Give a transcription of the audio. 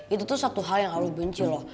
itu tuh satu hal yang allah benci loh